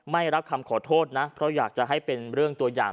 ไม่รับคำขอโทษนะเพราะอยากจะให้เป็นเรื่องตัวอย่าง